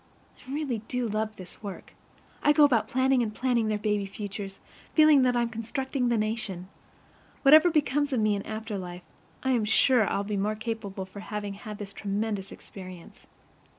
I really do love this work. I go about planning and planning their baby futures, feeling that I'm constructing the nation. Whatever becomes of me in after life, I am sure I'll be the more capable for having had this tremendous experience.